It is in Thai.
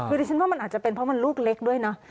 คือดิฉันว่ามันอาจจะเป็นเพราะมันลูกเล็กด้วยนะ